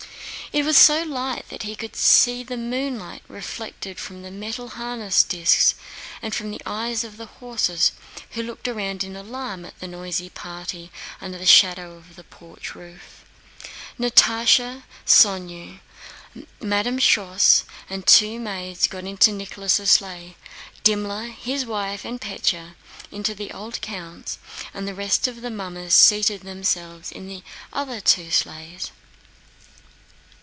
It was so light that he could see the moonlight reflected from the metal harness disks and from the eyes of the horses, who looked round in alarm at the noisy party under the shadow of the porch roof. Natásha, Sónya, Madame Schoss, and two maids got into Nicholas' sleigh; Dimmler, his wife, and Pétya, into the old count's, and the rest of the mummers seated themselves in the other two sleighs.